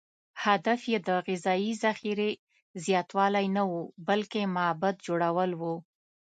هدف یې د غذایي ذخیرې زیاتوالی نه و، بلکې معبد جوړول و.